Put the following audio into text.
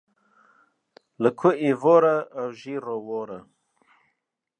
Li ku êvar e ew jê re war e.